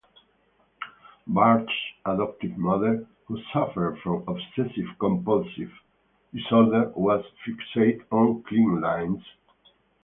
Bartsch's adoptive mother, who suffered from obsessive-compulsive disorder, was fixated on cleanliness.